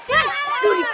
aduh aduh aduh aduh